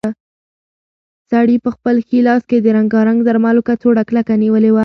سړي په خپل ښي لاس کې د رنګارنګ درملو کڅوړه کلکه نیولې وه.